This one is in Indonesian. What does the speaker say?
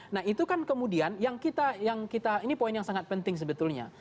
nah itu kan kemudian yang kita ini poin yang sangat penting sebetulnya